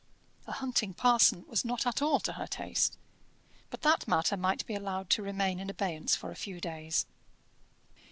A hunting parson was not at all to her taste; but that matter might be allowed to remain in abeyance for a few days.